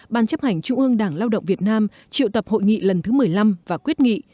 ban chấp hành trung ương đảng lao động việt nam triệu tập hội nghị lần thứ một mươi năm và quyết nghị